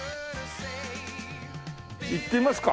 行ってみますか？